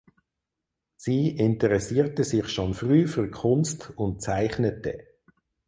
Sie interessierte sich schon früh für Kunst und zeichnete.